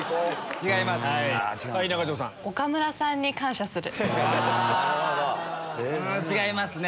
違いますね。